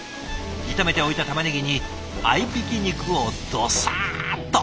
炒めておいたたまねぎに合いびき肉をドサッと。